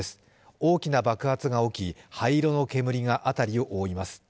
大きな爆発が起き、灰色の煙が辺りを覆います。